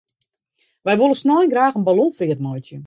Wy wolle snein graach in ballonfeart meitsje.